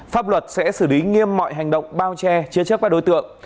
pháp luật sẽ xử lý nghiêm mọi hành động bao che chia chất với đối tượng